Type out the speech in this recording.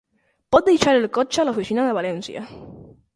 Pot deixar el cotxe a l'oficina de València.